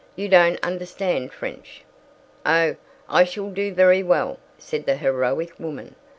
You don't understand French." "Oh, I shall do very well," said the heroic woman.